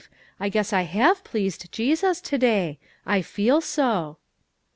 I guess I have pleased Jesus to day; I feel so."